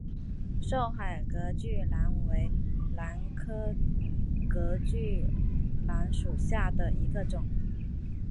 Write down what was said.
勐海隔距兰为兰科隔距兰属下的一个种。